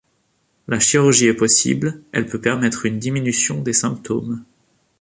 La chirurgie est possible, elle peut permettre une diminution des symptômes.